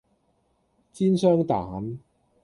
煎雙蛋